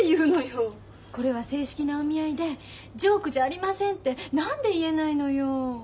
「これは正式なお見合いでジョークじゃありません」って何で言えないのよ。